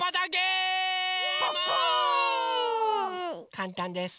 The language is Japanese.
かんたんです。